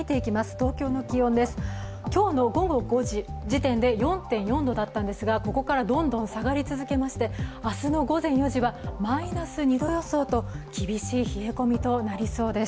東京の気温ですが、今日の午後５時時点で４．４度だったんですが、ここからどんどん下がり続けまして、明日の午前４時はマイナス２度予想と厳しい冷え込みとなりそうです。